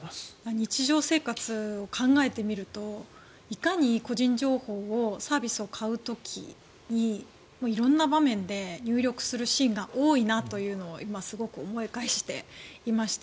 日常生活を考えてみるといかに個人情報をサービスを買う時に色んな場面で入力するシーンが多いなというのは今、すごく思い返していました。